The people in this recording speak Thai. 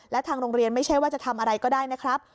และทางโรงเรียนไม่ใช่ว่าจะทำอะไรก็ได้นะครับ